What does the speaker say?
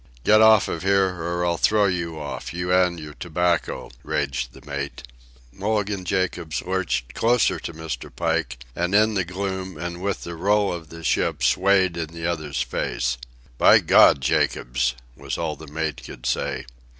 "Get off of here, or I'll throw you off, you and your tobacco," raged the mate. Mulligan Jacobs lurched closer to Mr. Pike, and in the gloom and with the roll of the ship swayed in the other's face. "By God, Jacobs!" was all the mate could say.